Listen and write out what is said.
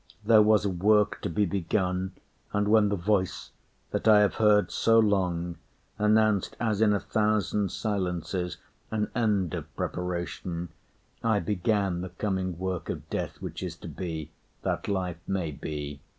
There was a work to be begun, And when the Voice, that I have heard so long, Announced as in a thousand silences An end of preparation, I began The coming work of death which is to be, That life may be.